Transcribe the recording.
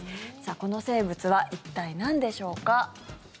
この生物は一体なんでしょうか。